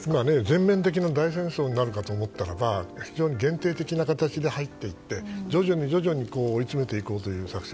全面的な大戦争になるかと思ったら非常に限定的な形で入っていって徐々に追い詰めていこうという作戦。